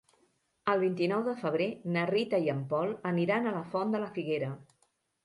El vint-i-nou de febrer na Rita i en Pol aniran a la Font de la Figuera.